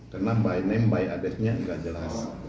karena by name by addressnya nggak jelas